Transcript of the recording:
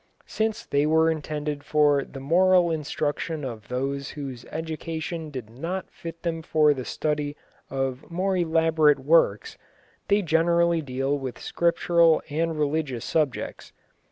Since they were intended for the moral instruction of those whose education did not fit them for the study of more elaborate works, they generally deal with Scriptural and religious subjects.